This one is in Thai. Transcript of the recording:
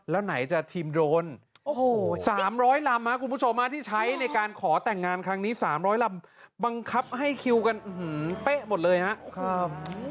แล้วไหนจะทีมโดรนโอ้โหสามร้อยลำฮะคุณผู้ชมอาทิตย์ใช้ในการขอแต่งงานครั้งนี้สามร้อยลำบังคับให้คิวกันหือหือเป๊ะหมดเลยฮะครับ